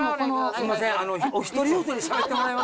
すみません